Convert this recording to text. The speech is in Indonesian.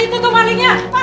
itu tuh malingnya